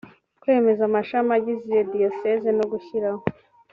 kwemeza amashami agize diyoseze no gushyiraho